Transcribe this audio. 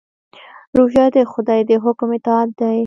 روژه د خدای د حکم اطاعت دی.